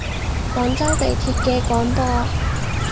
廣州地鐵嘅廣播